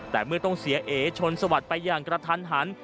แต่เมื่อต้องเสียเอชนสวัสดิ์ไปอย่างกระทันหัน